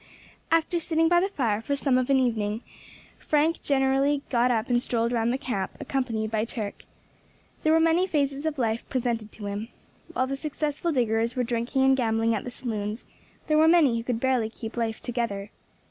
After sitting by the fire for some time of an evening, Frank generally got up and strolled round the camp, accompanied by Turk. There were many phases of life presented to him. While the successful diggers were drinking and gambling in the saloons, there were many who could barely keep life together.